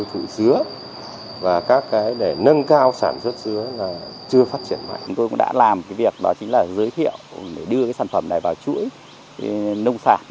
chúng tôi cũng đã làm việc giới thiệu để đưa sản phẩm này vào chuỗi nông sản